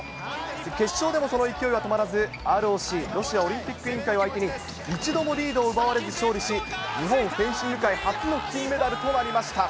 決勝でもその勢いは止まらず、ＲＯＣ・ロシアオリンピック委員会を相手に一度もリードを奪われず勝利し、日本フェンシング界初の金メダルとなりました。